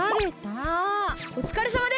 おつかれさまです！